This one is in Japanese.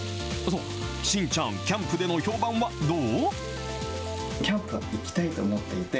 真ちゃん、キャンプでの評判はどう？